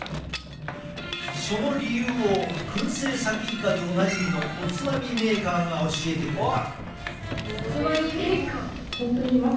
その理由を燻製さきいかでおなじみのおつまみメーカーが教えてくれた。